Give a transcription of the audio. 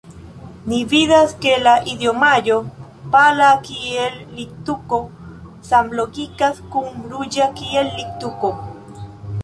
Ni vidas, ke la idiomaĵo pala kiel littuko samlogikas kun ruĝa kiel littuko.